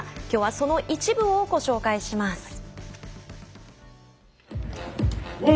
きょうはその一部をご紹介します。